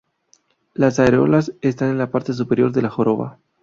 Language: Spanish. Las areolas están en la parte superior de la joroba.